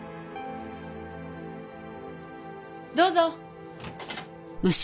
どうぞ。